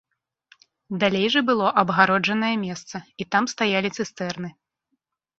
Далей жа было абгароджанае месца і там стаялі цыстэрны.